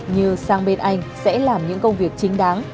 như sang bên anh sẽ làm những công việc chính đáng